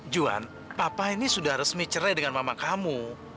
juan papa ini sudah resmi cerai dengan mama kamu